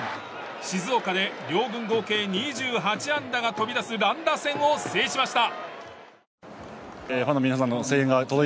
静岡で両軍合計２８安打が飛び出す乱打戦を制しました。